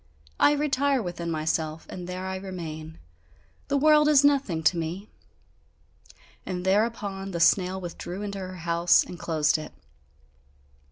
I retire within myself, and there I remain. The world is nothing to me!" And thereupon the snail withdrew into her house and closed it.